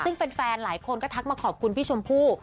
ซึ่งแฟนหลายคนก็ทักมาขอบคุณพี่ชมพู่